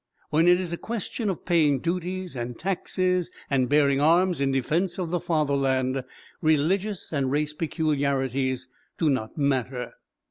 When it is a question of paying duties and taxes, and bearing arms in defence of the fatherland, religious and race peculiarities do not matter.